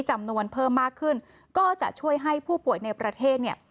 จำนวนเพิ่มมากขึ้นก็จะช่วยให้ผู้ป่วยในประเทศเนี่ย